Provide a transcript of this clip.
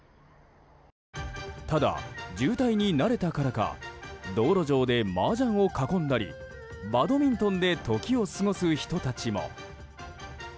ただ、渋滞に慣れたからか道路上でマージャンを囲んだりバドミントンで時を過ごす人たちも。